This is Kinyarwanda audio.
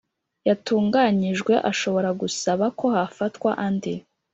yatunganyijwe ashobora gusaba ko hafatwa andi